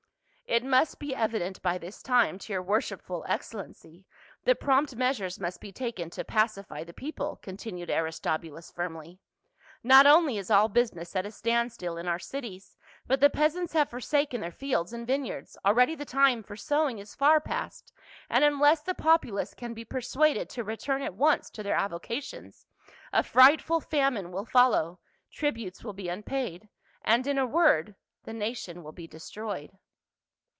" It must be evident by this time to your worshipful excellency that prompt measures must be taken to pacify the people," continued Aristobulus firmly. " Not only is all business at a standstill in our cities, but the peasants have forsaken their fields and vine yards ; already the time for sowing is far past, and unless the populace can be persuaded to return at once to their avocations, a frightful famine will follow, tributes will be unpaid, and, in a word, the nation will be destroyed."